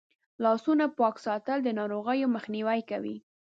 لاسونه پاک ساتل د ناروغیو مخنیوی کوي.